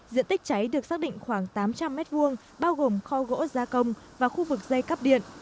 diện tích cháy được xác định khoảng tám trăm linh m hai bao gồm kho gỗ gia công và khu vực dây cắp điện